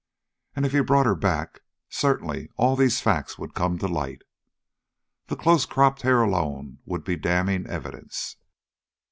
And if he brought her back, certainly all these facts would come to light. The close cropped hair alone would be damning evidence.